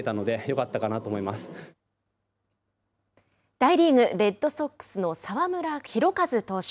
大リーグレッドソックスの澤村拓一投手